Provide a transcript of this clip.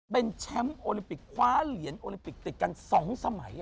เป็นแชมป์โอลิมปิกคว้าเหรียญโอลิมปิกติดกัน๒สมัย